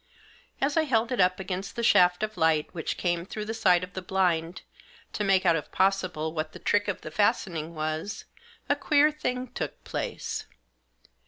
As I held it up against the shaft of light which came through the side of the blind, to make out, if possible, what the trick of the fastening was, a queer thing took place.